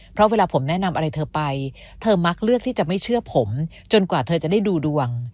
เพราะเวลาผมแนะนำอะไรเธอไปเธอมักเลือกที่จะไม่เชื่อผมจนกว่าเธอจะได้ดูดวง